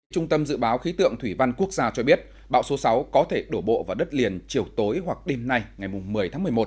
trung tâm dự báo khí tượng thủy văn quốc gia cho biết bão số sáu có thể đổ bộ vào đất liền chiều tối hoặc đêm nay ngày một mươi tháng một mươi một